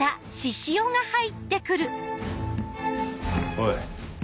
おい。